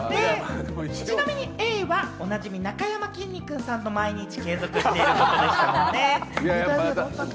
ちなみにＡはおなじみ、なかやまきんに君さんの毎日継続してることでした。